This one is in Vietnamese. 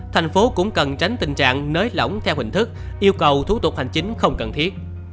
thành phố cũng cần tránh tình trạng nới lỏng theo hình thức yêu cầu thủ tục hành chính không cần thiết